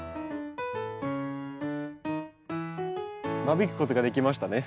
間引くことができましたね。